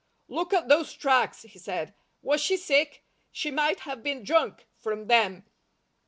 "Look at those tracks," he said. "Was she sick? She might have been drunk, from them."